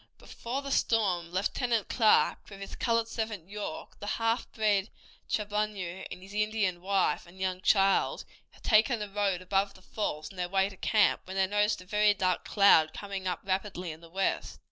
Before the storm Lieutenant Clark, with his colored servant York, the half breed Chaboneau, and his Indian wife and young child, had taken the road above the falls on their way to camp when they noticed a very dark cloud coming up rapidly in the west.